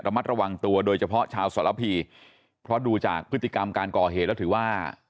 มัดระวังตัวโดยเฉพาะชาวสรพีเพราะดูจากพฤติกรรมการก่อเหตุแล้วถือว่า